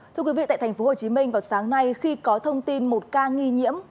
thưa quý vị tại tp hcm vào sáng nay khi có thông tin một ca nghi nhiễm